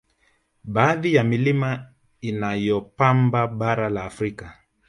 Baadhi ya Milima inayopamba bara la Afrika